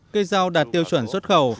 cây rau đạt tiêu chuẩn xuất khẩu